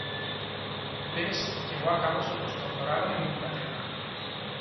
Best llevó a cabo su postdoctorado en Inglaterra.